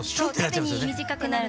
縦に短くなる。